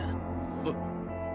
えっ。